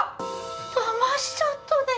だましちょっとね？